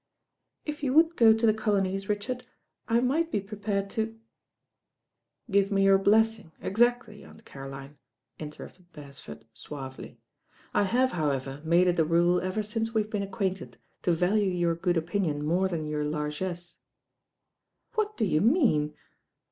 "If you would go to the colonies, Richard, I might be prepared to " "Give me your blessing, exactly. Aunt Caroline," interrupted Beresford suavely. "I have, however, made it a rule ever since we have been acquainted to value your good opinion more than your largesse." "What do you mean?"